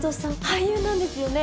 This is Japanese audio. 俳優なんですよね？